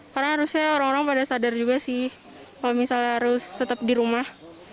karena harusnya orang orang pada sadar juga sih kalau misalnya harus tetap di rumah